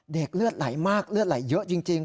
เลือดไหลมากเลือดไหลเยอะจริง